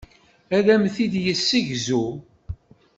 Ad am-t-id-yessegzu.